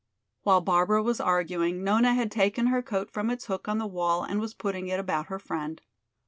While Barbara was arguing Nona had taken her coat from its hook on the wall and was putting it about her friend.